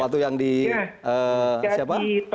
waktu yang di siapa